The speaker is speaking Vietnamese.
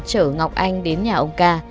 chở ngọc anh đến nhà ông ca